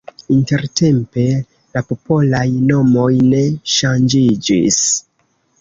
Intertempe la popolaj nomoj ne ŝanĝiĝis.